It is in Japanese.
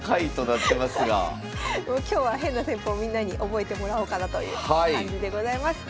今日は変な戦法をみんなに覚えてもらおうかなという感じでございます。